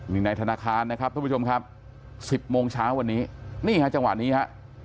นี่ในธนาคารนะครับทุกผู้ชมครับ๑๐โมงเช้าวันนี้นี่ฮะจังหวะนี้ฮะ